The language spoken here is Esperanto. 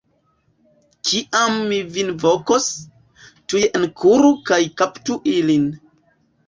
Kiam mi vin vokos, tuj enkuru kaj kaptu ilin.